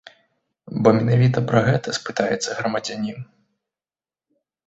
Бо менавіта пра гэта спытаецца грамадзянін.